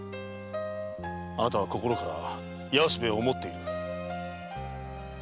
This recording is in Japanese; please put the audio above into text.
あなたは心から安兵衛を想っている。